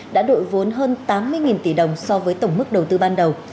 đã đội vốn hơn tám mươi tỷ đồng so với tổng mức đầu tư ban đầu